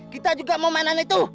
kita juga mau mainan itu